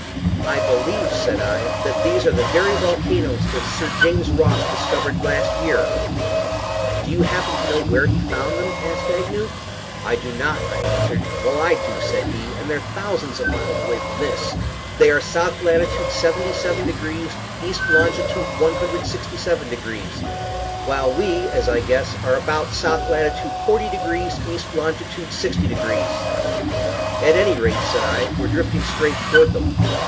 "I believe," said I, "that these are the very volcanoes that Sir James Ross discovered last year." "Do you happen to know where he found them?" Agnew asked. "I do not," I answered. "Well, I do," said he, "and they're thousands of miles away from this. They are south latitude 77 degrees, east longitude 167 degrees; while we, as I guess, are about south latitude 40 degrees, east longitude 60 degrees." "At any rate," said I, "we're drifting straight toward them."